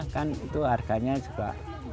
kan itu harganya juga